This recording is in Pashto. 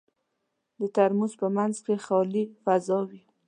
د ترموز په منځ کې خالي فضا وي.